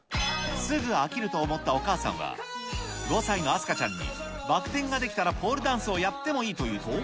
すぐ飽きると思ったお母さんは、５歳の茉華ちゃんにバク転ができたらポールダンスをやってもいいと言うと。